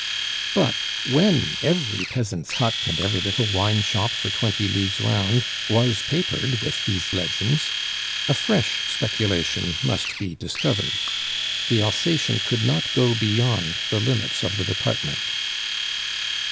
But when every peasant's hut and every little wine shop for twenty leagues round was papered with these legends, a fresh speculation must be discovered; the Alsacien could not go beyond the limits of the department.